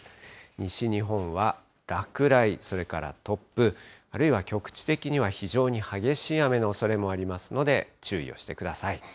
西日本は落雷、それから突風、あるいは局地的には非常に激しい雨のおそれもありますので、注意をしてください。